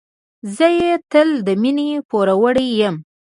زه یې تل د مينې پوروړی یم.